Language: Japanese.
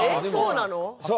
そう。